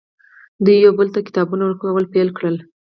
دوی یو بل ته کتابونه ورکول پیل کړل